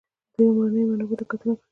د لومړنیو منابعو ته کتنه کړې ده.